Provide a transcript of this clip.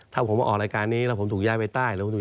ถ้าผมมาออกรายการนี้แล้วผมถูกย้ายไปใต้